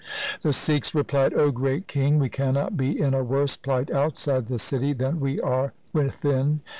The Sikhs replied, ' O great king, we cannot be in a worse plight outside the city than we are within.